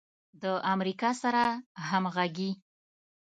د امریکا سره همغږي